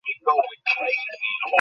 সত্যি বলতে ও তোকে দেখতেও চায় না।